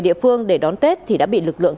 địa phương để đón tết thì đã bị lực lượng